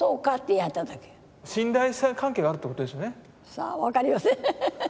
さあ分かりません。